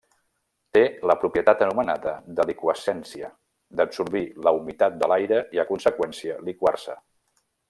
Té la propietat anomenada deliqüescència, d'absorbir la humitat de l'aire i a conseqüència liquar-se.